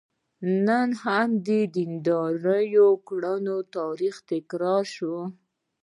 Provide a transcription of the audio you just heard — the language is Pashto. نن هم د دیندارانو کړنې د تاریخ تکرار کوي.